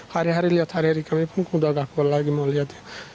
hari hari lihat hari hari kami pun udah gak kuat lagi mau lihat ya